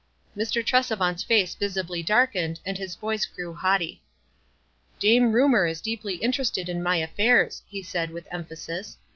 Mr. Tresevant's race visibly darkened, and his voice grew haughtv. "Dame Rumor is deeply interested in my af fairs," he said, with emphasis.